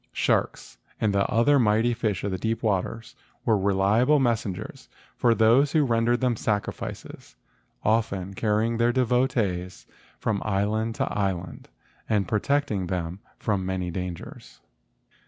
Sharks and other mighty fish of the deep waters were reliable messengers for those who rendered them sacrifices, often carrying their devotees from island to island and protecting them from many dangers.